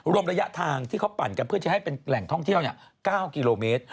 รวมระยะทางที่เขาปั่นกันเพื่อจะให้เป็นแหล่งท่องเที่ยว๙กิโลเมตร